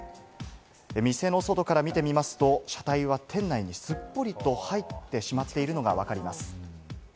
店の外から見てみますと、車体は店内にすっぽりと入ってしまっているのがわかります。